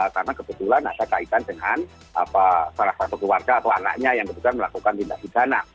karena kebetulan ada kaitan dengan salah satu keluarga atau anaknya yang melakukan tindak tindakan